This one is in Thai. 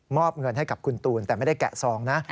เงินให้กับคุณตูนแต่ไม่ได้แกะซองนะ